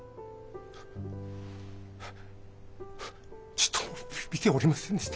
ふぅちっとも見ておりませんでした。